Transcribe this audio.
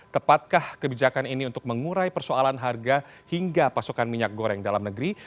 tepatkah kebijakan ini untuk mengurai persoalan harga hingga pasokan minyak goreng dalam negeri